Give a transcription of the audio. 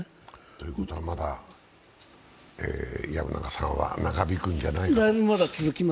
ということはまだ薮中さんは長引くんじゃないかと思ってらっしゃるんだな。